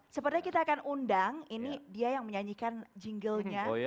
sepertinya kita akan undang ini dia yang menyanyikan jinglenya